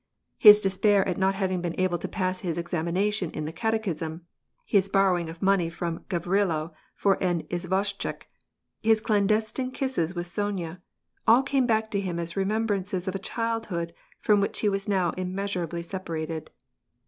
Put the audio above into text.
His despair at not having been able to pass his examination in the catechism, his borrowing of money from Gavrilo for an izvoshchik, his clandestine kisses with Sonya, all came back to him as remem brances of a childhood from which he was now immeasurably separated.